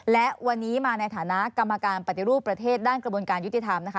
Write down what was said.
และวันนี้มาในฐานะกรรมการปฏิรูปประเทศด้านกระบวนการยุติธรรมนะคะ